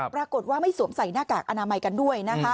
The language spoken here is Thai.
ปรากฏว่าไม่สวมใส่หน้ากากอนามัยกันด้วยนะคะ